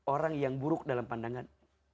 orang yang buruk dalam pandangan